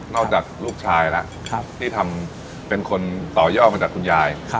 จากลูกชายแล้วที่ทำเป็นคนต่อยอดมาจากคุณยาย